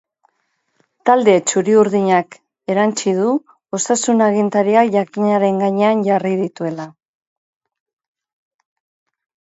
Talde txuri-urdinak erantsi du osasun agintariak jakinaren gainean jarri dituela.